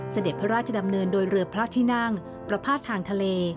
เสด็จพระราชดำเนินโดยเรือพระที่นั่งประพาททางทะเล